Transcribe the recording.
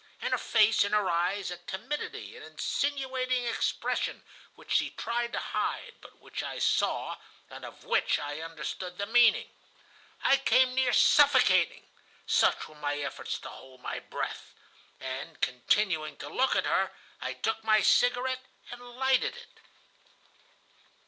In her face, in her eyes, a timidity, an insinuating expression, which she tried to hide, but which I saw, and of which I understood the meaning. I came near suffocating, such were my efforts to hold my breath, and, continuing to look at her, I took my cigarette, and lighted it.